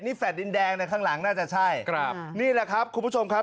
นี่แฟลต์ดินแดงนะข้างหลังน่าจะใช่ครับนี่แหละครับคุณผู้ชมครับ